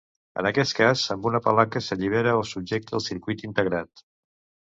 En aquest cas amb una palanca s'allibera o subjecta el circuit integrat.